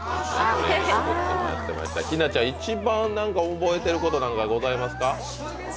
日奈ちゃん、一番覚えてることなんかございますか？